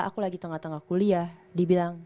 aku lagi tengah tengah kuliah dibilang